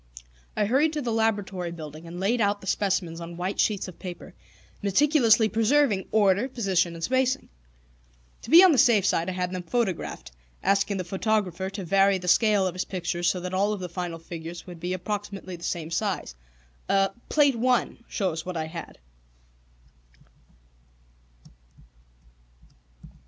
I hurried to the laboratory building, and laid out the specimens on white sheets of paper, meticulously preserving order, position, and spacing. To be on the safe side I had them photographed, asking the photographer to vary the scale of his pictures so that all of the final figures would be approximately the same size. Plate I. shows what I had.